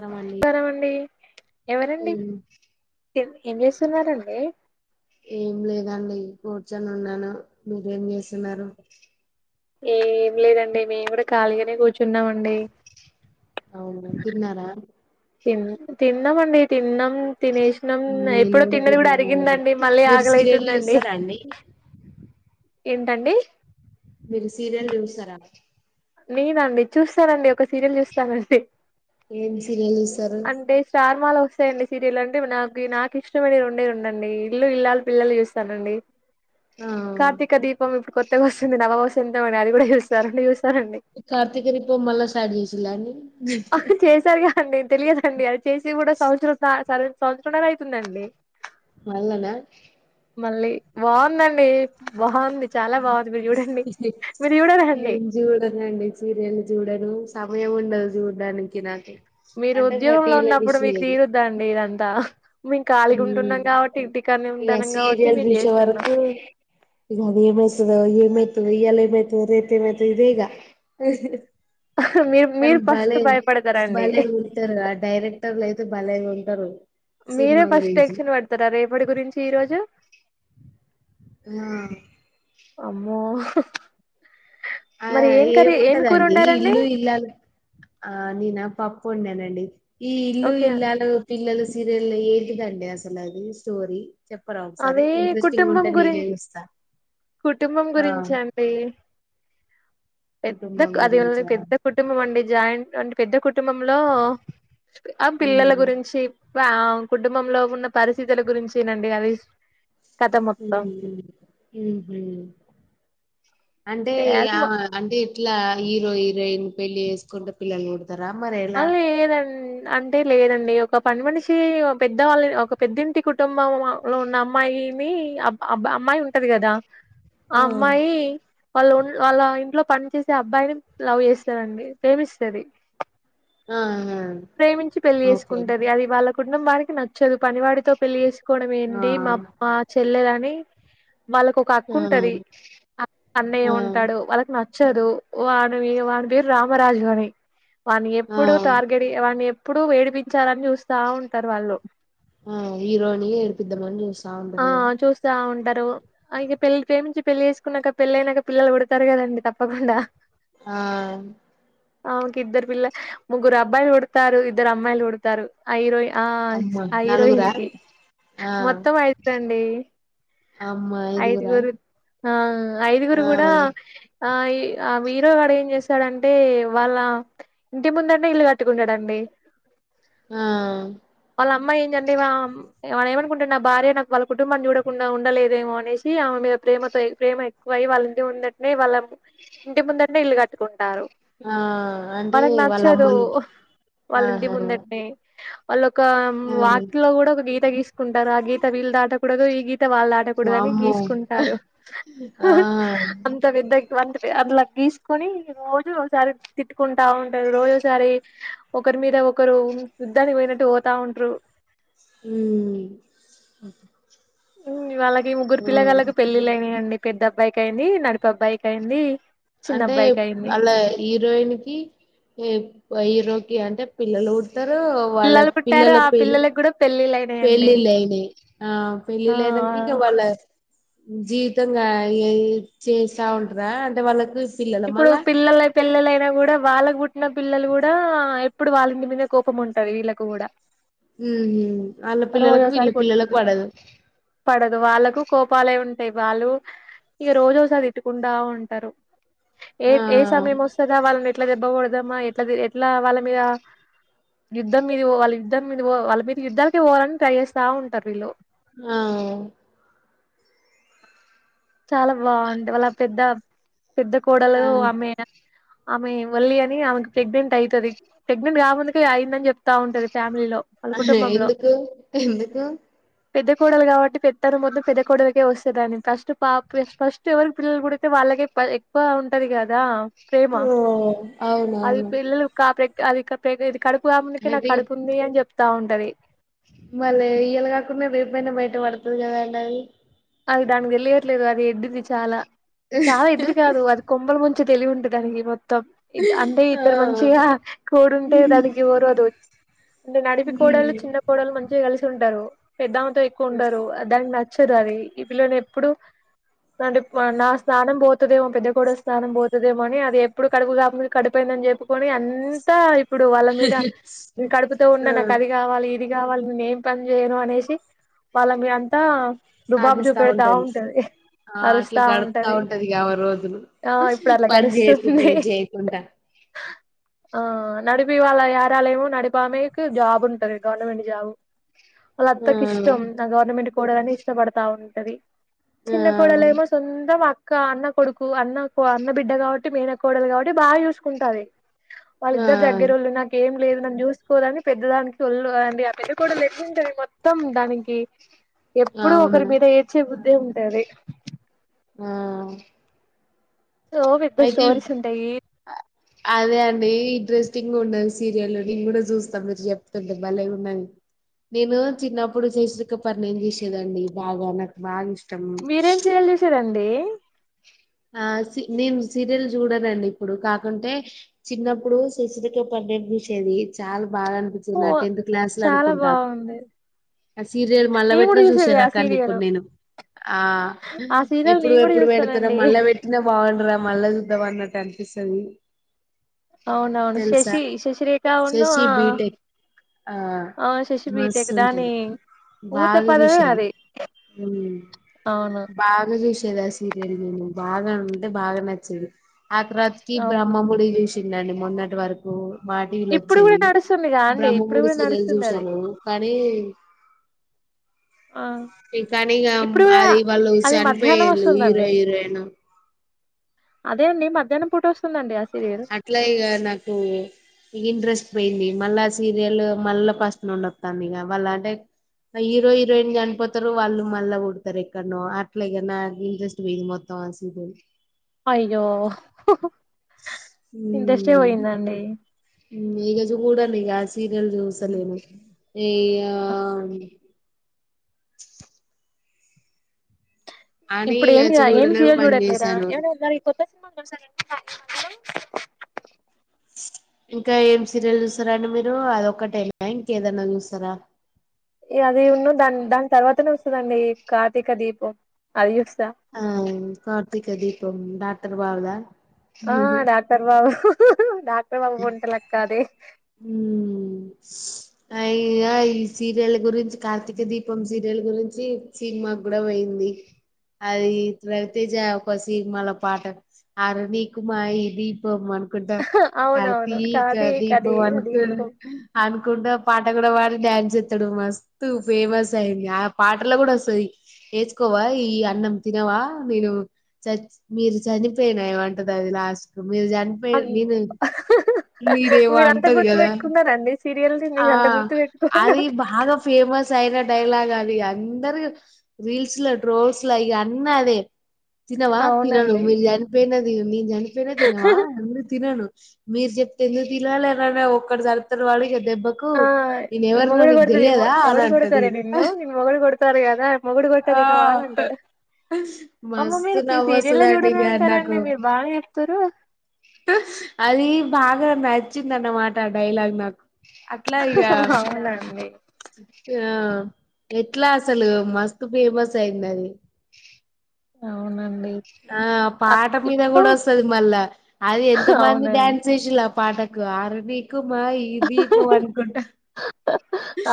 నమస్కారం అండి నమస్కారమండి. ఎవరండి ఏం ఎం ఏం చేస్తున్నారండి? ఏం లేదండి కూర్చొని ఉన్నాను, మీరేం చేస్తున్నారు? ఏ ఏం లేదండి మేము గుడా ఖాళీగనే కూర్చున్నామండి. అవునా తిన్నారా? తిన్ తిన్నమండి. తిన్నం, తినేసినం నేను ఎప్పుడో కూడా తిన్నది గుడా తిన్నానండి అరిగిందండి మళ్ళీ మీరు సీరియల్ ఆకలైతుందండి. చూస్తారా అండి ఏంటండి? మీరు సీరియల్ చూస్తరా? నేనండి చూస్తనండి ఒక సీరియల్ చూస్తానండి ఏం సీరియల్ చూస్తారు అంటే స్టార్ మాలో వస్తాయండి సీరియల్ అంటే నాకి నాక్ ఇష్టంమైన రోండేరొందండి ఇల్లు ఇల్లాలు పిల్లలు చూస్తానండి. ఆ కార్తీక దీపం ఇప్పుడు కొత్తగా వస్తుంది నవవసంతం అని అది కూడా చూస్తా రొండు చూ కార్తికదీపం మళ స్టార్ట్ చేసిలాండి హండి తెలియదుండి అది చేసి కూడా సంవత్సరం దా సంవత్సరం నర అవుతుందండి. మల్ళన మళ్ళీ బావుందండి మొహం చాలా బావుంది మీరు చూడండి మీరు చూడదండి. నండి సీరియల్ చూడను సమయం ఉండదు చూడడానికి నాకి మీరు ఉద్యోగంలో ఉన్నప్పుడు మీకు తీరుద్దా అండి ఇదంతా? మేము ఖాళీగా ఉమ్ ఉంటున్నాం కాబట్టి ఇంటికాన్నే ఇగ ఉంటానం కాబట్టి సీరియల్ మేము చూసే చేస్తున్నా వరకు అది ఏం అయిస్సధో ఏం అయి ఈయల ఎమ్మైత ధో, రేపు ఏమైతది ఇదేగా హ్హ్ మీరు కానీ మీరు ఫస్ట్ బాలే భయపడతారండి బాలే ఉంటారుగా ఆ డైరెక్టర్లు అయితే బాలే ఉంటరు. మీరే ఫస్ట్ టెన్సన్ పెడతారా రేపటి గురించి ఈ రోజు? అ అమ్మో హ్ ఆయ్ ఏము ఉంటద అండి వండారండి ఇల్లు ఇల్లాలు ఆ నినా పప్పు వండానండి ఈ ఇల్లు ఓకే ఇల్లాలు పిల్లలు సి జెల్ ఏంటిదండి అసలు అది స్టోరీ? చెప్పరా ఒకసారి అదే ఇంట్రెస్టింగ్ కుటుంబం ఉంటే వీడియో గురించి చూస్తా. కుటుంబం ఆ గురించి అండి పెద్ద కుటుంబం అది గురించా పెద్ద కుటుంబం అండి జాయింట్ అంటే పెద్ద కుం కుటుంబంలో ఆ పిల్లల ఉహు గురించి వావ్ కుటుంబంలో ఉన్న పరిస్థితుల గురించినండి అవి ఊ ఉహు అంటే ఇగ అంటే ఇట్లా హీరో హీరోయిన్ పెళ్లి చేసుకుంటే పిల్లలు కూడ తర మరి ఎలా లేదండి అంటే లేదండి ఒక పని మనిషి ఓ పెద్దవాళ్ళ ఒక పెద్దింటి కుటుంబం వ లో ఉన్న అమ్మాయి కిని అ ఆబ్బ్బా యీ అమ్మాయి ఉంటది కదా ఆ అమ్మాయి వాళ్ళు ఉన్ వాళ్ళ ఇంట్లో పని చేసే అబ్బాయిని లవ్ చేస్తాదండి ప్రేమిస్తది. ఆహ ప్రేమించి పెళ్లి చేసుకుంటది అది వాళ్ళ కుటుంబానకి నచ్చదు పనివాడితో పెళ్లి చేసుకు కోవడం ఆ ఏంటి మా మా చెల్లెలని వాళ్ళకు ఒక అక్క ఆ ఉంటది అ ఆ అన్నయ్య ఉంటడు వాళ్ళకి న చ్చదు వాని వి వాని పేరు రామరాజు అని వాని ఆ ఎప్పుడు టార్ వాని ఎప్పుడు ఏడిపించాలని చూస్తా ఉంటారు వాళ్ళు. ఆ హీరోని ఏడిపిద్దామని చూస్తా ఆ ఉంటరు ఇగ చూస్తా ఉంటా డు అ ఇక పెళ్లి ప్రేమించి పెళ్లి చేసుకున్నాక పెళ్లి అయినాక పిల్లలు పుడతారు కదండి తప్పకుండా ఆ ఆమెకి ఇద్దరు పిల్ల ముగ్గురు అబ్బాయిలు పుడతారు, ఇద్దరు అమ్మాయిలు పుడతారు ఆ హిరోయిన్ ఆ అమ్మ ఆ ఇరోహిన్ నలుగురా కి ఆ మొత్తం అయ్ దండి అమ్మ ఐదుగురా ఐదుగురు ఆ ఐదుగురు ఆ కూడా ఆ ఆ వీరో కాడ ఏం చేస్తాడంటే వాళ్ళ ఇంటి ముందటే ఇల్లు కట్టుకుంటాడండి. ఆ వాళ్ళ అమ్మాయి ఏంజంటే వమ్ వాడు ఏమనుకుంటాడు అబ్బా నా భార్య నాకు వాళ్ళ కుటుంబాన్ని చూడకుండా ఉండలేదేమో అనేసి ఆమె మీ ప్రేమతో ప్రేమ ఎక్కువయి వాళ్ళ ఇంటి ఉందంటనే వాళ్ళ ఇంటి ముందంటే ఇల్లు కట్టుకోండి. నారు ఆ అంటే వాళ్ళకి వాళ్ళ నచ్చదు అమ్మోళ్ళింటి వాళ్ళ ఇంటి ఆహా ముందటని వాళ్ళు ఒక ఆ వాటిల్లో కూడా ఒక గీత గీసుకుంటారు ఆ గీత వీళ్ళు ట్టకూడదు ఈ గీత వాళ్ళు దాటకూడదు అని వామ్మో గీసుకుంటారు ఆ అంత విద్దకి వంత అదిలక్ తీసుకుని రోజు ఒకసారి తిట్టుకుంటా ఉంటారు రోజు ఒకసారి ఒకరి మీద ఒకరు యుద్దానికి పోయినట్టు పోతా ఉంటరు ఉ ఉ అలాగే ముగ్గురు పిల్లగాళ్ళకి పెళ్లిళ్లు అయినాయండి. పెద్ద అబ్బాయికి అయింది నడిపు అబ్బాయికి అయింది చిన్న అంటే అబ్బాయికి అయింది అళ్ళ హీరోయిన్ కి హీరో అంటే పిల్లలు పుడతరు వాళ్ళ పిల్లలు పుట్టారు పిల్లల ఆ పెల్లి పిల్లలకి కూడా పెళ్ళిళ్ళ అయినాయండి పెళ్ళిల్లు అయినయ్ ఆ ఆ పెళ్ళిల్లు అయినంక వాల జీవితంగా ఏ చేస్తా ఉంటర అంటే వాళ్ళకు పిల్లల ఇప్పుడు మళ్ళా పిల్లల పెల్లలైనా కూడా వాళ్ళకు గు చిన్న పిల్లలు కూడా ఎప్పుడు వాళ్ళంటి మీదే కోపం ఉంటారు వీళ్ళకు కూడా ఉహు అళ్లపిల్లలకు వీళ్ళ రోజోసారి కొట్టు పిల్లలకు పడదు పడదు వాళ్ళకు కోపాలే ఉం అంటే వాళ్ళు ఇక రోజోజ దిట్టుకుంటా ఉంటారు ఏ ఆ ఏ సమయం వస్తదా వాళ్ళని ఎట్ల దెబ్బ కొడదామా ఎట్ల ఎట్ల వాళ్ళ మీద యుద్ధం మీద వాళ్ళ యుద్ధం మీద పో వాళ్ళ మీద యుద్ధాలనికి పోవాలని ట్రై చేస్తా ఉంటరు వీళ్ళు ఆ చాలా బాగుంట వాళ్ళ పెద్ద పెద్ద కోడలు ఆ ఆమె ఆమె వళ్లి అని ఆమెకి ప్రెగ్నెంట్ అయితది ప్రెగ్నంట్ గా ముందుకే అయిందని చెప్తా ఉంటది వళ్ళ కుటుంబంలో ఎందుకు ఎందుకు పెద్ద కోడళ్లు కాబట్టి పెత్తన మొత్తం పెద్ద కోడలకే వస్తదని ఫస్ట్ పాప ఫస్ట్ ఎవరి పిల్లలు పుడితే వాళ్ళకే ఎక్కువ ఉంటది కదా ప్రేమా ఓ అది అవునవును పిల్లల కా అది ఇది కడుపుగా ముందుకి నాకు అయితే ఇగ కడుపు ఉంది అని చెప్తా ఉంటది మళ్ళీ ఇయలా కాకుండా రేపుయినా బయట పడుతుంది కదండి అది అది దానికి తెళ్లియట్లేదు అది ఎడ్డిది చాలా చాలా ఎడ్డిది కాదు అది కొమ్మల ముంచి తెలివి ఉంటే దానికి మొ మొత్తం అంటే ఆ ఇద్దరు మంచిగా కోడుంటే హ్మ్. దానికి ఊరుదు అంటే నడిపి కోడలు హ్మ్. చిన్న కోడలు మంచిగా కలిసి ఉంటారు పెద్దా ఆమెతో ఎక్కువ ఉంటరు దానికి నచ్చదు అది ఈ పిల్లను ఎప్పుడు అంటే నా స్నానం పోతదేమో పెద్ద కోడలు స్నానం పోతదేమోని అది ఎప్పుడు కడుగుదా కడిపోయింది ని చెప్పుకొని అంతా ఇప్పుడు వాళ్ళ మీద కడుపుతూ ఉన్న ఆ నాకు అది కావాలి ఇది కావాళి నేను ఏం పని చేయను అనేసి వాళ్ళ మీ అంతా అది పెడతా ఉంటది ఆ అట్లా గడుతా ఉంటది వ రోజులు ఆ ఇప్పుడు అట్లా పని చేయకుంటే గడుస్తుంది ఏ జేయకుండా ఆ నడిపి ఇ వాళ్ళ యారాలమో నడిపామేకు జాబ్ ఉంటది గవర్నమెంట్ జాబ్ వాళ్ళ ఆ అత్తకు ఇష్టం నా గవర్నమెంట్ కోడలని ఇష్టపడతా ఉంటది ఆ చిన్న కోడలేమో సొంత మా ఇంకా అన్న కొడుకు అన్న అన్న బిడ్డ కాబట్టి మేన కోడలు కాబట్టి బాగా చూసుకుంటాది వాళ్ళి ఇద్దరు దగ్గర వాళ్ళు ఆ నాకేం లేదు నన్ను చూసుకోదని పెద్దదానికి ఒళ్ళు అండి ఆ పెద్ద కోడలు ఎట్లుంటది మొత్తం దానికి ఎప్పుడూ అవును ఒకరి మీద ఏడ్చే బుద్దే ఉంటది మ్ సో పెద్ద అయితే స్టోరీస్ ఉంటాయి అదే అండీ ఇంట్రెస్టింగ్ ఉన్నది సీరియల్ నేను కూడా చూస్తా మీరు చెప్తుంటే భలే ఉన్నది నేను చిన్నప్పుడు చేశరిక పర్ని ఏం చేసేదండి బాగా నాకు బాగా ఇష్ మీరేం చేయల్ చేసారండి ఆ సి నేను సీరియల్ చూడనండి ఇప్పుడు కాకుంటే చిన్నప్పుడు శశిరిక పరిణయం చూస్ చ్చేది చాలా బాగా అనిపిచ్చేది ఓ నా టెన్త్ క్లాస్ లో చాలా అనుకుంటా బాగుంది ఆ సీరియల్ మళ్ళా నేను కూడా పెట్టినా చూసే చూసేది ఆ రకాన్ని ఇప్పుడు సీరియల్ నేను ఆ ఆ సీరియల్ ఎప్పుడు నేను కూడా ఎప్పుడు పెడత చూస్తానండి మళ్ళా పెట్టినా బాగుండరా మళ్ళా చూద్దాం అన్నట్టు అనిపిస్తది అవునవును తెలుసా శశి శశిరేఖ అవును శశి ఆ బీటెక్ ఆ ఆ శశి మస్తు బీటెక్ దాని ఉంటది ఊత బాగా పదమే జూసేది అది మ్ అవును బాగా జూసి దా సీరియల్ మేము బాగా ఉంటే బాగా నచ్చది ఆ తర్వాతకి అవును బ్రహ్మముడి చ న్నండి మొన్నటి వరకు మా టీవీలో ఇప్పుడు కూడా వచ్చాయి నడుస్తుందిగా అండి ఇప్పుడు బ్రహ్మమూరి కూడా సీరియల్ నడుస్తుంది అది చూశాను కానీ ఆ ఆ ఇ కానీక ఇప్పుడు కూడా అది వాళ్ళు అది మధ్యాహ్నం చనిపోయేళు హీరో వస్తుందండి హీరోయిన్ అదేండి మధ్యాహ్నంపూట వస్తుందండి ఆ స్ అట్లా ఇగ నాకు ఇంట్రెస్ట్ పోయింది మళ్ళా అ సీరియల్ మళ్ళా ఫస్ట్ నుండి వత్తాందిగ ఇక మళ్ళ అంటే హీరో హీరోయిన్ చనిపోతారు వాళ్ళు మళ్ళా ఊడతారు ఎక్కడనో అట్లేగా నా ఇంట్రెస్ట్ వోయిన్ మొత్తం ఆ సిర్యల్ అయ్యో ఇంట్రెస్ట్ ఏ పోయిందండి ఈగజు కూడండి ఆ సీరియల్ జూస్తా నేను ఏయాన్ ఆ అని ఇప్పుడు ఇగ ఏంటి అఏమి చూడనే సీరియల్ బంద్ చూడట్లేదా చేశాను ఏమ కొత్త సినిమా కలుసా అ ఇంకా ఏం సీరియల్ చూస్తారండి మీరు అదొక్కటేనా ఇంక ఏదన్నా చూస్తారా అది ఉన్ను దాని దాని తర్వాతనే వస్తదండి కార్తీక దీపం అది ఆ కార్తక దీపం డాక్టర్ బాబుదా ఆ డాక్టర్ బాబు డాక్టర్ బాబు వంటలక్కదే [unintelligible] అయ ఈ సీరియల్ గురించి కార్తీక దీపం సీరియల్ గురించి సినిమా కూడా పోయి అది రవితేజ ఒక సినిమలో పాట అరనీకుమా ఈ దీపం అనుక్ కుంటా అవునవును కార్తీక ది దీపం అనుకు దీపం అనుకుంటా పాట అక్కడ వాడి డ్యాన్స్ ఇస్తాడు మస్తు ఫేమస్ అయింది ఆ పాటల్లో కూడా వస్తది వేసుకోవా ఈ అన్నం తినవా నేను చచ్ మీరు చనిపోయినా ఏమంటది అది లాస్ట్ కు మీరు చనిపోయి అయ్యో నేను మీరేవో మీరంత అంటది గుర్తు కదా పెట్టుకున్నారండి సీరియల్ ని ఆ మీరు అంత గుర్తు పెట్టుకున్నా అది బాగా ఫేమస్ అయిన డైలాగ్ అద్ ఇగ అందరు రీల్స్లో ట్రోల్స్లో ఇగ అన్నదే తినవా తినను అవునండి మీరు చనిపోయిన తి నేన్ చనిపోయిన తినవా అందురు తినను మీర్ చెప్తే ఎందుకు తినాలనన్నా ఒక్కట్ సరుత్తడు వాడు ఇగ దెబ్ ఆ మొగుడు కొడతడేమో అని ఎవరు అంటది కొడతరే నిన్నూ నీ మొగుడు కొడతారు కదా మొగుడు కొ డ్తడ్ ఆ తినవా అన్ అంటడు. అమ్మ మస్తు మీరు సీరియలే నవ్వొస్తదండి చూడరూ ఇగ నాకు అంటరండి మీరు బానే చెప్తున్రు. అది బాగా నచ్చిందన్నమాట ఆ డైలాగ్ నాకు అట్లా ఇగ అవునండి ఆ ఎట్లా అసలు మస్తు ఫేమస్ అయిందది. అవునం ఆ పాట మీద గుడా వస్తది మళ్ళా అది ఎంత మంది అవునండి డ్యాన్స్ చేసింలప్ పాటకు ఆరా నీకు మా ఈ దీపం అనుకుంట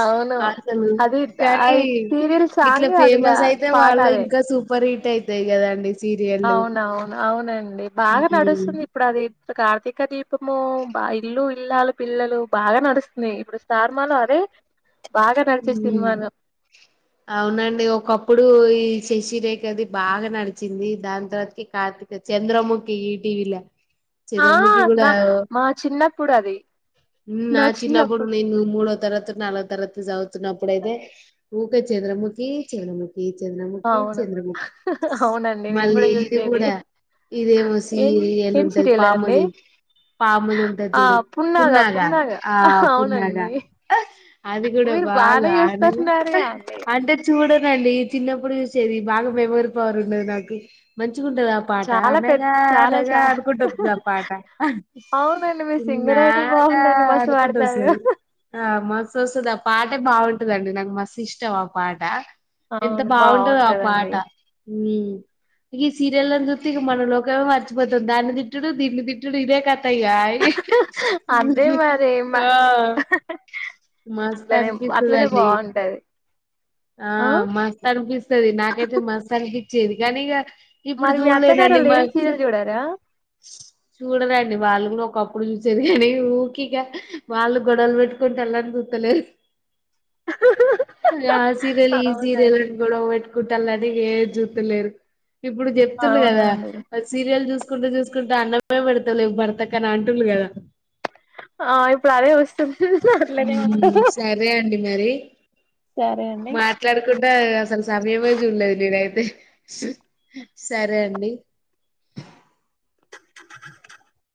అవును అసలు అది ఆ కనీ సీరియల్ ఇట్ల సాంగ్ అదిగా ఫేమస్ అయితే పాట వాళ్ళు ఇం కా సూపర్ హిట్ అయితయి కదండి. సీరియల్లు అవునవున్ అవునండి బాగా ఉమ్ నడుస్తుంది ఇప్పుడది కార్తీక దీపము బా ఇల్లు ఇల్లాలు పిల్లలు బాగా నడుస్తున్నాయి ఇప్పుడు స్టార్ మాలో అదే బాగా నడిచే మ్ సినిమాను అవునండి ఒకప్పుడు ఈ శశిరేఖది బాగా నడిచింది దాన్ తర్వాతకి కార్తీక చంద్రముఖి ఈటీవీలా ఆ చంద్రముఖి గుడా నా ఆవో మా చిన్నప్పుడు అది మ్ నా చిన్నపుడు నేను మూడో తరగతో నాలుగో తరగతో చదు తున్నప్పుడైతే ఊకె చద్రముఖి చద్రముక్ ఖి చంద్రముఖి అవును చంద్రముక్ అవునండి నేను మళ్ళీ కూడా ఇది చూసేది గూడా ఇదేమో ఏం సీరియల్ ఏం ఉంటది సీరియల్ అండి పాముది. పాముది ఉంటద్ జూడు పున్నాగా ఆ పున్నాగా అది గుడా మీరు బాగా బానే ఆననే చూస్తున్నారుగా అండి అంటే చూడనండి చిన్నప్ ప్పుడు చూసేది బాగా మెమోరీ పవర్ ఉన్నది నాకు మంచి చిగుంటది ఆ పాట చాలా పెద్ద అనగా చాలా అనగా చా అనుకుంట వస్తదా పాట అదైతే ఉన్నాగా బాగుందండి మస్త్ అనుకుంట పాడతారు. వస్తది ఆ మస్త్ వస్తుంది ఆ పాటే బాగుంటదండి నాకు మస్త్ ఇష్టం ఆ పాట ఎంత అవును బాగుంటదో ఆ బాగుంటదండి పాట ఇగ ఈ సీరియలన్ చూత్తె ఇగ మన లోకమే మర్చిపోతాం దాన్ని తిట్టుడు దీన్ని తిట్డుడు ఇదే క థ ఇగ ఆ అయీ అంతే మరి మ ఆ మస్ అట్లనే అట్లనే అనిపిస్తదండి. బాగుంటది ఆ మస్త్ అనిపిస్తది నాకైతే మస్త్ అనిపిచ్చేది కనీ ఇగ ఇప్పుడు మరి మీ చూడ్లేదండి అత్తగారోళ్ళు ఏం మాక్ సీరియల్ చూడరా చూడరండి వాళ్ళు గుడా ఒకప్పుడు చూసేది కనీ ఊకిగ వాళ్ళు గొడవలు పెట్టుకుంట అళ్ళన్ లేరు ఇగ ఆ సీరియల్ ఈ అవునండి సీరియలన్ గొడవ పెట్ కుంటాన్లని ఇగ ఏద్ జూత్తలేరు ఇప్పుడు చెప్తున్లు గదా అవునండి సీరియల్ చూస్ కుంట చూస్కుంటే అన్నమే పెడతలేవ్ భర్తకని అంటున్లు కదా ఆ ఇప్పుడు అదే వస్తుంద్ మ్ సరే అండి మరి సరే అండి మాట్లాడకుంటా అసలు సమయమే చూడ్లేదు నేనై సరే అండి [inaudible]